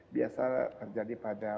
biasa terjadi pada